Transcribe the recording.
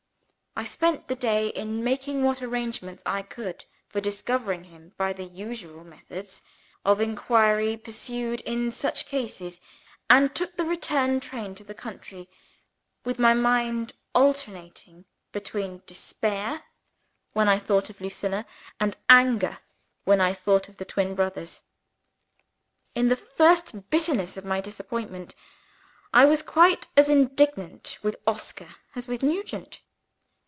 I spent the day in making what arrangements I could for discovering him by the usual methods of inquiry pursued in such cases; and took the return train to the country, with my mind alternating between despair when I thought of Lucilla, and anger when I thought of the twin brothers. In the first bitterness of my disappointment, I was quite as indignant with Oscar as with Nugent.